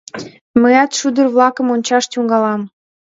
Мыят шӱдыр-влакым ончаш тӱҥалам.